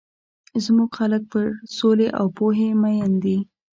زموږ خلک پر سولي او پوهي مۀين دي.